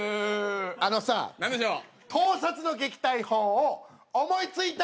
あのさ盗撮の撃退法を思い付いたんですよ！